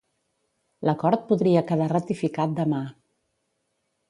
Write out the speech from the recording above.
L'acord podria quedar ratificat demà.